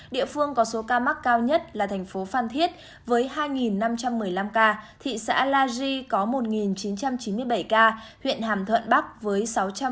địa phương có số ca mắc cao nhất là thành phố phan thiết với hai năm trăm một mươi năm ca thị xã la di có một chín trăm chín mươi bảy ca huyện hàm thuận bắc với sáu trăm linh ca